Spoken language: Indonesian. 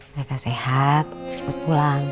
mereka sehat cepat pulang